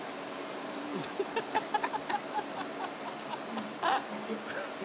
「」「ハハハハ！」